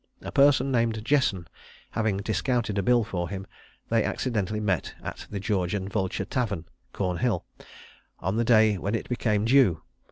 A person named Jesson having discounted a bill for him, they accidentally met at the George and Vulture Tavern, Cornhill, on the day when it became due.